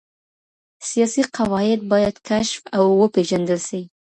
سياسي قواعد بايد کشف او وپېژندل سي.